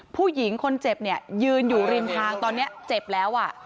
ผู้หญิงคนเจ็บเนี่ยยืนอยู่ริมทางตอนนี้เจ็บแล้ว